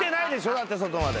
だって外まで。